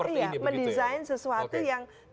iya mendesain sesuatu yang